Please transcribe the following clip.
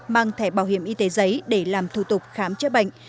mang thẻ bảo hiểm y tế giấy để làm thủ tục khám chữa bệnh